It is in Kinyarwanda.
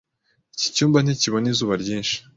Iki cyumba ntikibona izuba ryinshi.